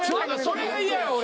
それが嫌やわ俺。